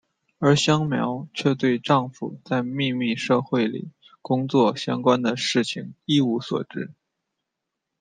而香苗却对丈夫在秘密社会里工作相关的事情一无所知。